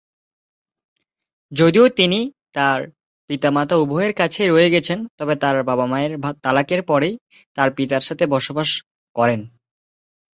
যদিও তিনি তার পিতামাতা উভয়ের কাছেই রয়ে গেছেন, তবে তার বাবা-মায়ের তালাকের পরেই তার পিতার সাথে বসবাস করেন।